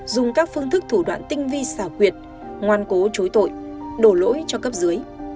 dùng các phương thức thủ đoạn tinh vi xảo quyệt ngoan cố chối tội đổ lỗi cho cấp dưới